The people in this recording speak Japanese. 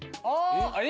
あれ？